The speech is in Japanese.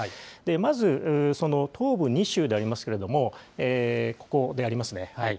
まず、東部２州でありますけれども、ここでありますね。